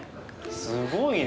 すごいね。